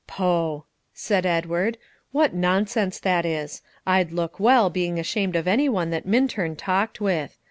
"Poh!" said Edward; "what nonsense that is! I'd look well being ashamed of any one that Minturn talked with.